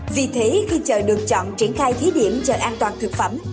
vì thế khi chợ được chọn triển khai thí điểm chợ an toàn thực phẩm